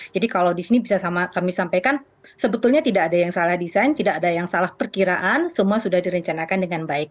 jadi kalau di sini bisa kami sampaikan sebetulnya tidak ada yang salah desain tidak ada yang salah perkiraan semua sudah direncanakan dengan baik